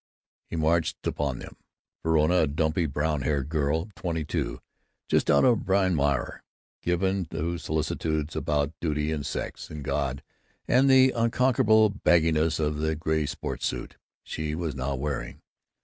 He marched upon them: Verona, a dumpy brown haired girl of twenty two, just out of Bryn Mawr, given to solicitudes about duty and sex and God and the unconquerable bagginess of the gray sports suit she was now wearing.